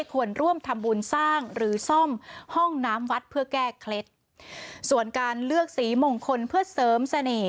ควรร่วมทำบุญสร้างหรือซ่อมห้องน้ำวัดเพื่อแก้เคล็ดส่วนการเลือกสีมงคลเพื่อเสริมเสน่ห